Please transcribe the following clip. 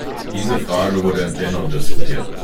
Diese Frage wurde im Plenum diskutiert.